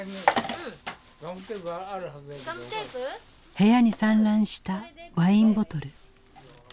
部屋に散乱したワインボトル。